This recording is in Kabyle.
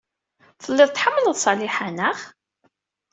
Telliḍ tḥemmleḍ Ṣaliḥa, naɣ?